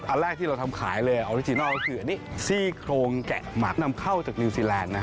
อันแรกที่เราทำขายเลยออริจินัลก็คืออันนี้ซี่โครงแกะหมัดนำเข้าจากนิวซีแลนด์นะ